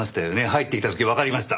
入ってきた時わかりました。